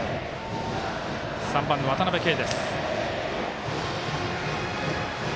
３番の渡辺憩。